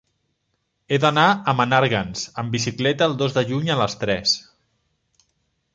He d'anar a Menàrguens amb bicicleta el dos de juny a les tres.